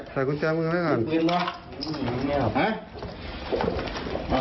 ใส่กุญแจมือให้กัน